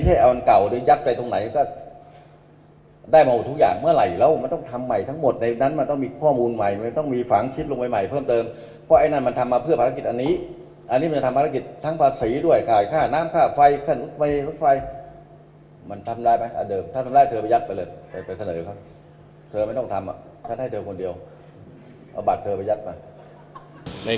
อเจมส์วิทยาลัยอศัลย์วิทยาลัยอศัลย์วิทยาลัยอศัลย์วิทยาลัยอศัลย์วิทยาลัยอศัลย์วิทยาลัยอศัลย์วิทยาลัยอศัลย์วิทยาลัย